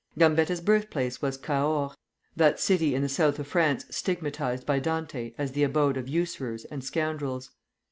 Gambetta's birthplace was Cahors, that city in the South of France stigmatized by Dante as the abode of usurers and scoundrels.